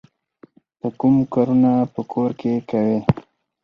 ته کوم کارونه په کور کې کوې؟